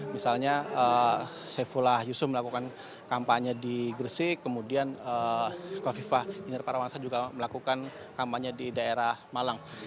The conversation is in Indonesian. misalnya saifullah yusuf melakukan kampanye di gresik kemudian kofifah inder parawansa juga melakukan kampanye di daerah malang